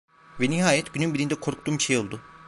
Ve nihayet günün birinde korktuğum şey oldu.